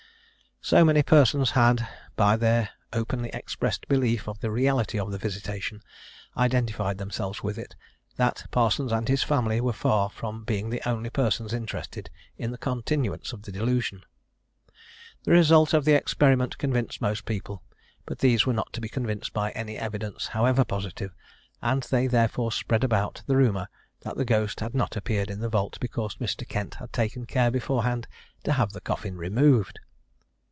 So many persons had, by their openly expressed belief of the reality of the visitation, identified themselves with it, that Parsons and his family were far from being the only persons interested in the continuance of the delusion. The result of the experiment convinced most people; but these were not to be convinced by any evidence, however positive, and they therefore spread about the rumour, that the ghost had not appeared in the vault, because Mr. Kent had taken care beforehand to have the coffin removed.